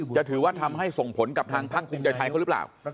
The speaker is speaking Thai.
จะถือว่าทำให้ส่งผลกับทางภาคภูมิใจไทยเขาหรือเปล่า